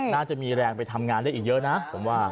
น่าจะมีแรงไปทำงานได้อีกเยอะนะผมว่า